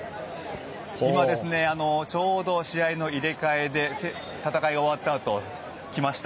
今、ちょうど試合の入れ替えで戦いが終わったあとに来ました。